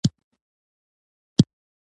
پَرچېلک پَرچېلک کېږه مه! ښکلے خوئې کوه۔